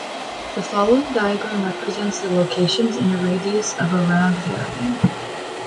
The following diagram represents the locations in a radius of around Veradale.